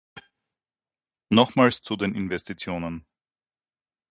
Nochmals zu den Investitionen.